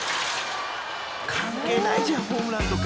［関係ないじゃんホームランとか］